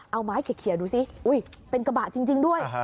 เอามาให้เขียนดูสิอุ๊ยเป็นกระบะจริงด้วย